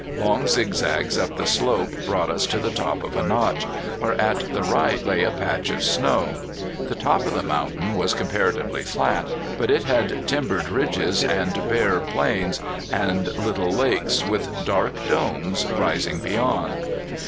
Long zigzags up the slope brought us to the top of a notch, where at the right lay a patch of snow. The top of the mountain was comparatively flat, but it had timbered ridges and bare plains and little lakes, with dark domes, rising beyond.